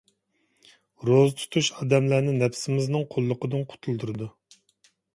روزا تۇتۇش ئادەملەرنى نەپسىمىزنىڭ قۇللۇقىدىن قۇتۇلدۇرىدۇ.